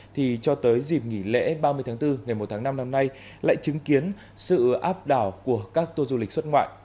thì cho tới dịp nghỉ lễ ba mươi tháng bốn ngày một tháng năm năm nay lại chứng kiến sự áp đảo của các tour du lịch xuất ngoại